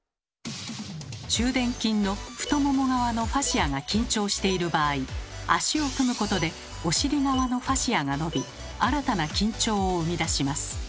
中臀筋の太もも側のファシアが緊張している場合足を組むことでお尻側のファシアが伸び新たな緊張を生み出します。